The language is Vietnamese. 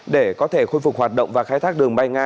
để có thể khôi phục hoạt động và khai thác đường bay nga